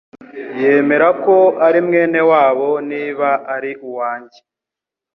yemera ko ari mwene wabo niba ari uwanjye.